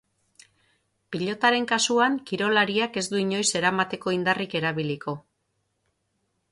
Pilotaren kasuan kirolariak ez du inoiz eramateko indarrik erabiliko.